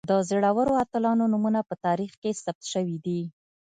د زړورو اتلانو نومونه په تاریخ کې ثبت شوي دي.